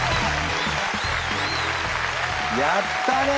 やったね！